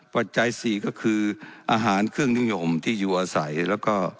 ปัจจัยสี่ก็คืออาหารเครื่องนิยมที่อยู่อาศัยแล้วก็